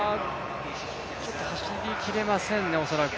ちょっと走りきれませんね、恐らく。